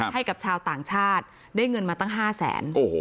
ให้กับชาวต่างชาติได้เงินมาตั้ง๕แสน